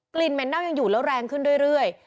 เหม็นเน่ายังอยู่แล้วแรงขึ้นเรื่อย